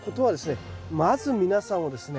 まず皆さんをですね